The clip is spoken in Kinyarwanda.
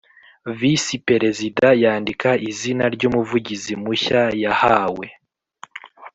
Visi Perezida yandika izina ry Umuvugizi mushya yahawe